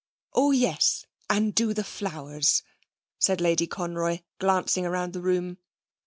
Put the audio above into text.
Oh yes! and do the flowers,' said Lady Conroy, glancing round the room.